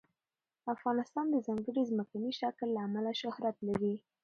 افغانستان د ځانګړي ځمکني شکل له امله شهرت لري.